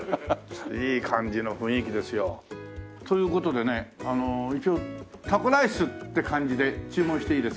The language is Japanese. いい感じの雰囲気ですよ。という事でねあの一応タコライスって感じで注文していいですか？